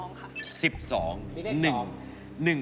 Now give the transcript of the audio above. มีเลข๒